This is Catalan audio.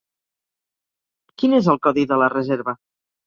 Quin és el codi de la reserva?